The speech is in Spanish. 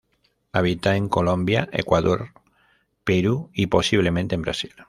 Habita en Colombia, Ecuador, Perú y posiblemente en Brasil.